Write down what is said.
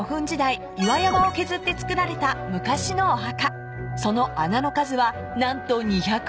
岩山を削って造られた昔のお墓］